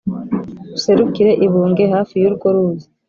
userukire i bunge hafi y’urwo ruzi